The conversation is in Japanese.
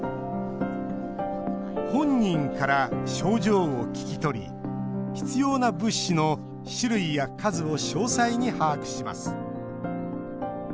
本人から症状を聞き取り必要な物資の種類や数を詳細に把握します。